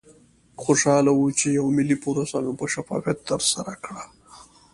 خوشحاله وو چې یوه ملي پروسه مو په شفافیت ترسره کړه.